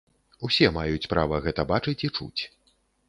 Усе маюць права гэта бачыць і чуць.